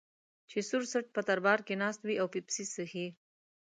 چې سور څټ په دربار کې ناست دی او پیپسي څښي.